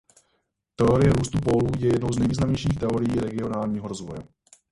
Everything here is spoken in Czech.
Teorie růstových pólů je jednou z nejznámějších teorií regionálního rozvoje.